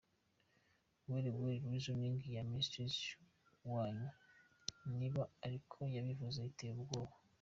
Well well, reasoning ya Minister wanyu , niba ariko yabivuze, iteye ubwoba!